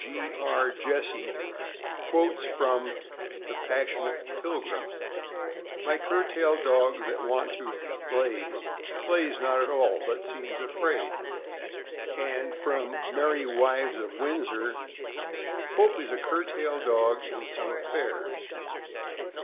G. R. Jesse quotes from the "Passionate Pilgrim :" My curtail dog that wont to have play'd, Plays not at all, but seems afraid. And from " Merry Wives of Windsor: " Hope is a curtail dog in some affairs.